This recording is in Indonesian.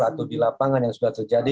atau di lapangan yang sudah terjadi